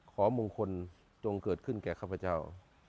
ของมงคลจงเกิดขึ้นแก่ข้าพเจ้า